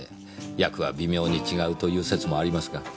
訳は微妙に違うという説もありますが。